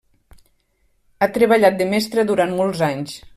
Ha treballat de mestra durant molts anys.